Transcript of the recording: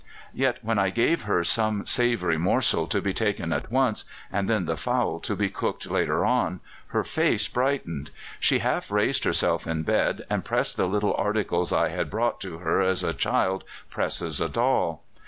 Yet when I gave her some savoury morsel to be taken at once, and then the fowl to be cooked later on, her face brightened; she half raised herself in bed, and pressed the little articles I had brought to her as a child presses a doll.